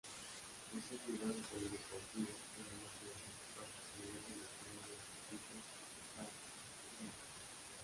Posee un gran polideportivo, teniendo como principal facilidad el estadio de atletismo Tatsunoko.